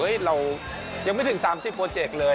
เฮ้ยเรายังไม่ถึง๓๐โปรเจคเลย